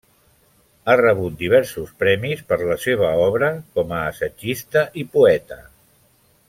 Ha rebut diversos premis per la seva obra com a assagista i poeta.